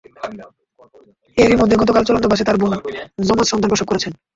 এরই মধ্যে গতকাল চলন্ত বাসে তাঁর বোন যমজ সন্তান প্রসব করেন।